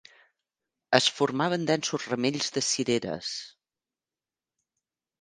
Es formaven densos ramells de cireres